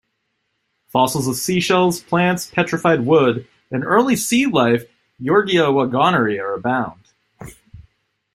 Fossils of seashells, plants, petrified wood and early sea life Yorgia waggoneri are abound.